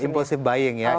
ya impulsif buying ya